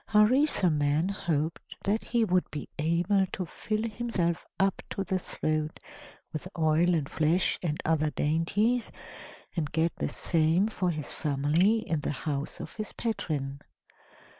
Harisarman hoped that he would be able to fill himself up to the throat with oil and flesh and other dainties, and get the same for his family, in the house of his patron.